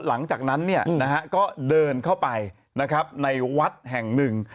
หลังจากนั้นก็เดินเข้าไปนะครับในวัดแห่งหนึ่ง